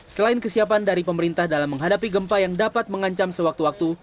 selain kesiapan dari pemerintah dalam menghadapi gempa yang dapat mengancam sewaktu waktu